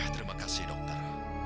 terima kasih dokter